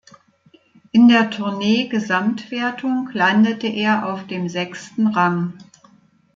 In der Tournee-Gesamtwertung landete er auf dem sechsten Rang.